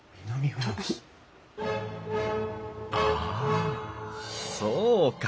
ああそうか。